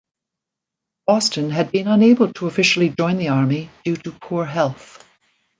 Boston had been unable to officially join the Army due to poor health.